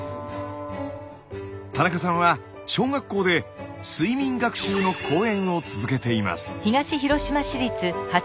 田中さんは小学校で睡眠学習の講演を続けています。